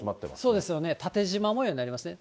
そうですよね、縦じま模様になりますね。